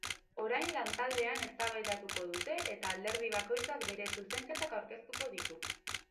Orain lantaldean eztabaidatuko dute eta alderdi bakoitzak bere zuzenketak aurkeztuko ditu.